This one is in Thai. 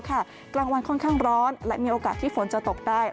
กลางวันค่อนข้างร้อนและมีโอกาสที่ฝนจะตกได้